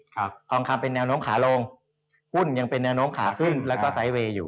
ครับทองคำเป็นแนวน้ำขาลงพุ่นยังเป็นแนวน้ำขาขึ้นแล้วก็ไซเวย์อยู่